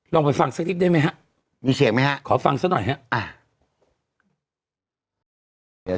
ลองไปฟังสักนิดได้ไหมครับขอฟังสักหน่อยครับ